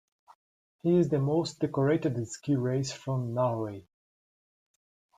He is the most decorated ski racer from Norway.